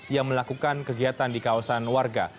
yang melakukan kegiatan di kawasan warga